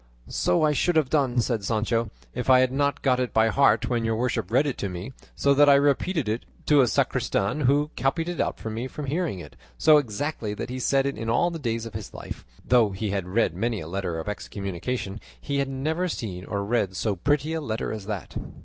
"So I should have done," said Sancho, "if I had not got it by heart when your worship read it to me, so that I repeated it to a sacristan, who copied it out for me from hearing it, so exactly that he said in all the days of his life, though he had read many a letter of excommunication, he had never seen or read so pretty a letter as that."